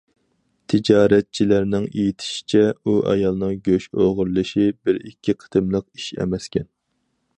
تىجارەتچىلەرنىڭ ئېيتىشىچە: ئۇ ئايالنىڭ گۆش ئوغرىلىشى بىر ئىككى قېتىملىق ئىش ئەمەسكەن.